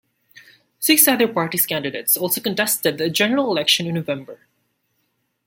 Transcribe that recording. Six other parties' candidates also contested the general election in November.